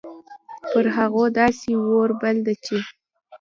پر هغو داسي اور بل ده چې